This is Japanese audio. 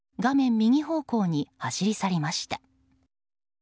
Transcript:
右方向に走り去りました。